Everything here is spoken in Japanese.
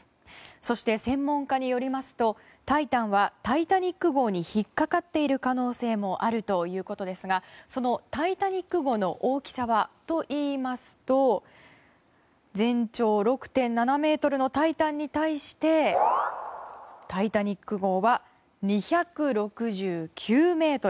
そして、専門家によりますと「タイタン」は「タイタニック号」に引っかかっている可能性もあるということですがその「タイタニック号」の大きさはといいますと全長６．７ｍの「タイタン」に対して「タイタニック号」は２６９ｍ。